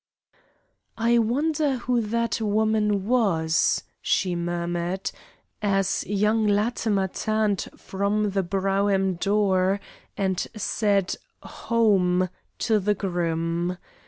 "I wonder who that woman was?" she murmured, as young Latimer turned from the brougham door and said "Home," to the groom.